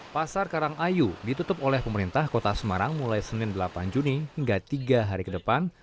pasar karangayu ditutup oleh pemerintah kota semarang mulai senin delapan juni hingga tiga hari ke depan